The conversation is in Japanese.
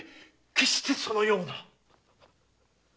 決してそのような。